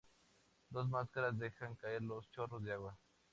Dos máscaras dejan caer los chorros de agua.